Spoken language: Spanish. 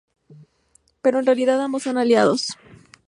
Pero en la actualidad ambos son aliados.